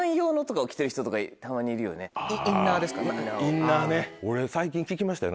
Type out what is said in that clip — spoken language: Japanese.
インナーね俺最近聞きましたよ